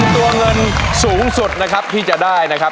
ตัวเงินสูงสุดนะครับที่จะได้นะครับ